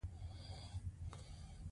ننوزي یې په غار کې ګیدړ او پيشو.